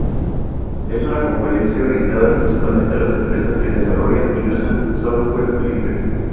Es una conferencia orientada principalmente a las empresas que desarrollan y usan software libre.